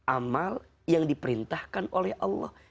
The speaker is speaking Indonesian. amal yang diperintahkan oleh allah